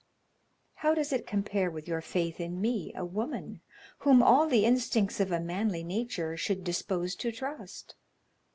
How does it compare with your faith in me, a woman, whom all the instincts of a manly nature should dispose to trust?